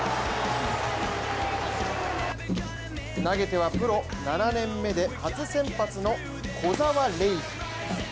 投げてはプロ７年目で初先発の小澤怜史。